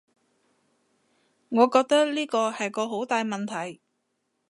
我覺得呢個係個好大問題